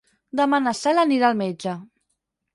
Demà na Cel anirà al metge.